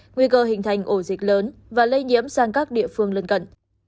nguy cơ hình thành ổ dịch lớn và lây nhiễm sang các địa phương lân cận